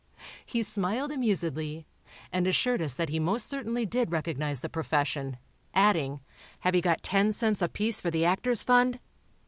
He smiled amusedly, and assured us that he most certainly did recognize the profession, adding: "Have you got ten cents apiece for the Actors' Fund?"